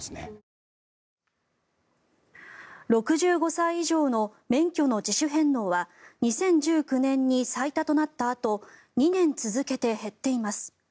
６５歳以上の免許の自主返納は２０１９年に最多となったあと２年続けて減っています。